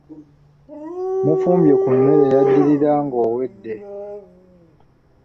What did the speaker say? Mufumbye ku mmere yaddirira ng’owedde.